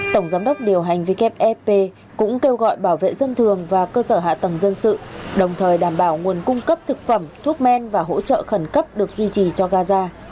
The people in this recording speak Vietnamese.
tổng giám đốc điều hành wfp cũng kêu gọi bảo vệ dân thường và cơ sở hạ tầng dân sự đồng thời đảm bảo nguồn cung cấp thực phẩm thuốc men và hỗ trợ khẩn cấp được duy trì cho gaza